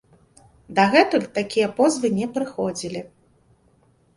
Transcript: Дагэтуль такія позвы не прыходзілі.